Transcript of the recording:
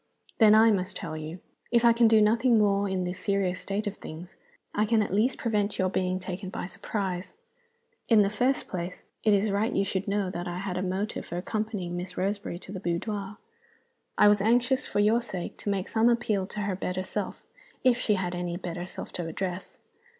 "Then I must tell you. If I can do nothing more in this serious state of things, I can at least prevent your being taken by surprise. In the first place, it is right you should know that I had a motive for accompanying Miss Roseberry to the boudoir. I was anxious (for your sake) to make some appeal to her better self if she had any better self to address.